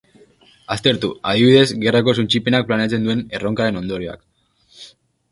Aztertu, adibidez, gerrako suntsipenak planteatzen duen erronkaren ondorioak.